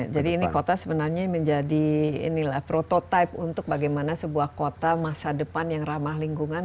jadi ini kota sebenarnya menjadi ini lah prototype untuk bagaimana sebuah kota masa depan yang ramah lingkungan